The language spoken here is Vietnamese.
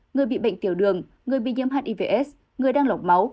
người bị bệnh tiểu đường người bị nhiễm hạt ivs người đang lọc máu